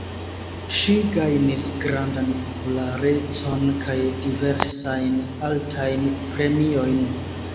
Ŝi gajnis grandan popularecon kaj diversajn altajn premiojn.